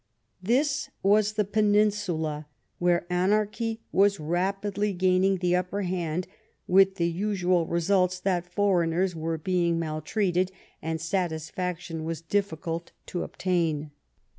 This was the Peninsula, where anarchy was rapidly gaining the upper hand, with the usual results that foreigners were being maltreated, and satisfaction was difficult to obtain.